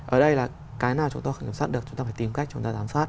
ở đây là cái nào chúng ta không kiểm soát được chúng ta phải tìm cách chúng ta giám soát